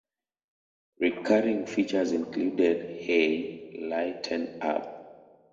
Recurring features included Hey - Lighten Up!